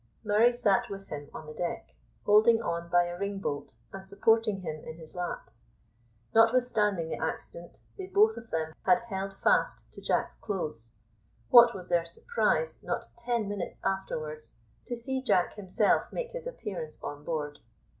Murray sat with him on the deck, holding on by a ring bolt and supporting him in his lap. Notwithstanding the accident, they both of them had held fast to Jack's clothes. What was their surprise not ten minutes afterwards to see Jack himself make his appearance on board.